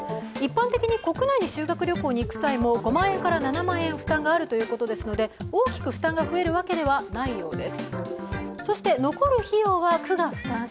一般的に国内で修学旅行に行く際にも、５万円から７万円かかるということですので、大きく負担が増えるわけではないようです。